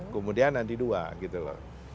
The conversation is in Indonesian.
kemudian nanti dua gitu loh